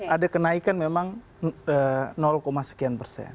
ada kenaikan memang sekian persen